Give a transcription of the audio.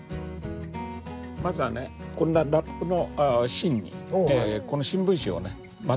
まずはねこんなラップの芯にこの新聞紙をね巻きつけていきます。